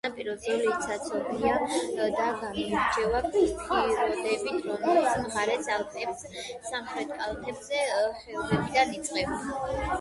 სანაპირო ზოლი ციცაბოა და გამოირჩევა ფიორდებით, რომლებიც სამხრეთ ალპების სამხრეთი კალთების ხეობებიდან იწყება.